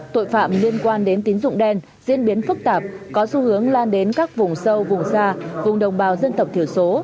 tội phạm liên quan đến tín dụng đen diễn biến phức tạp có xu hướng lan đến các vùng sâu vùng xa vùng đồng bào dân tộc thiểu số